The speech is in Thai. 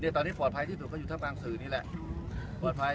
เนี่ยตอนนี้ปลอดภัยที่สุดเขาอยู่ทางพลังสือนี่แหละปลอดภัย